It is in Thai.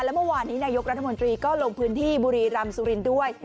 และเมื่อวานนี้นายกรัฐมนตรีก็ลงพื้นที่บุรีรำสุรินทร์ด้วย